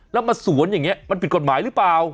แล้วมาสวนอย่างนี้มันผิดกฎหมายหรือเปล่า